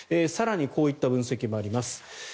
更にこういった分析もあります。